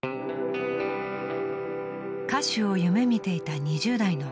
［歌手を夢見ていた２０代のころ］